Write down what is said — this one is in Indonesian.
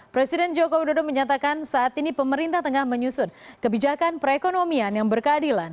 presiden joko widodo menyatakan saat ini pemerintah tengah menyusun kebijakan perekonomian yang berkeadilan